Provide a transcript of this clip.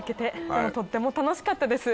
でもとっても楽しかったです